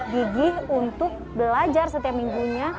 gigih untuk belajar setiap minggunya